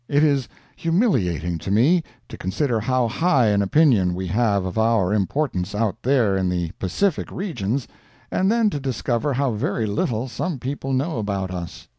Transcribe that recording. It is humiliating to me to consider how high an opinion we have of our importance out there in the Pacific regions, and then to discover how very little some people know about us.